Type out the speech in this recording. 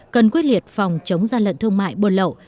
cần quyết liệt phòng chống gian lận thương mại buôn lậu